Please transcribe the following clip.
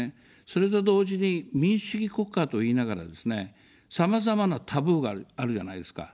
それと同時に民主主義国家と言いながらですね、さまざまなタブーがあるじゃないですか。